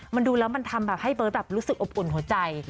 มันดูแล้วมันทำแบบให้เบิร์ตแบบรู้สึกอบอุ่นหัวใจ